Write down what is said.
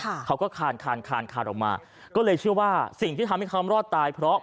เขาก็คานคานคานคานออกมาก็เลยเชื่อว่าสิ่งที่ทำให้เขารอดตายเพราะ